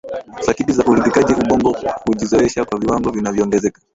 sakiti za uridhikaji ubongo hujizoesha kwa viwango vinavyoongezeka